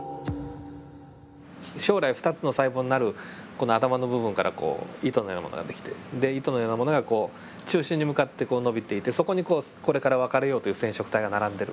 将来２つの細胞になるこの頭の部分からこう糸のようなものができてで糸のようなものがこう中心に向かってこう伸びていてそこにこれから分かれようという染色体が並んでる。